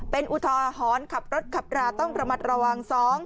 เป็นอุทาหรณ์ขับรถขับราต้องระมัดระวัง